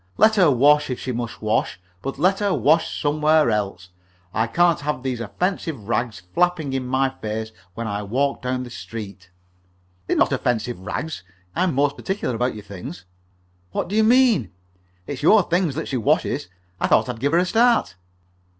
Let her wash, if she must wash, but let her wash somewhere else. I cannot have these offensive rags flapping in my face when I walk down the street." "They're not offensive rags. I'm most particular about your things." "What do you mean?" "It's your things that she washes. I thought I'd give her a start."